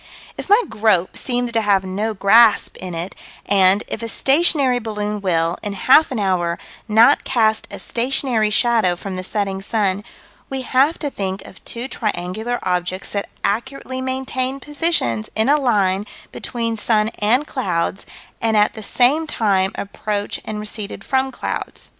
If my grope seem to have no grasp in it, and, if a stationary balloon will, in half an hour, not cast a stationary shadow from the setting sun, we have to think of two triangular objects that accurately maintained positions in a line between sun and clouds, and at the same time approached and receded from clouds.